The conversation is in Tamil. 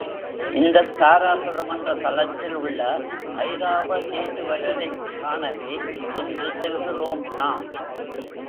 இந்தத் தாராசுரம் என்ற தலத்தில் உள்ள ஐராவதேசுவரரைக் காணவே இன்று சொல்கிறோம் நாம்.